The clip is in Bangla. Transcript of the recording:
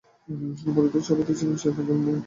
পরবর্তীতে সভাপতি ছিলেন শায়খ আব্দুল মোমিন।